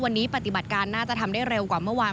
วันนี้ปฏิบัติการน่าจะทำได้เร็วกว่าเมื่อวาน